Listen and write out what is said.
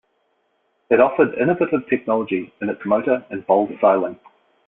It offered innovative technology in its motor and bold styling.